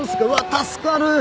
助かる。